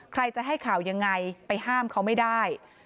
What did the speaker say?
ใครจะให้ข่าวยังไงไปห้ามเขาไม่ได้